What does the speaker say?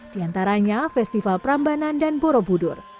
diantaranya festival prambanan dan borobudur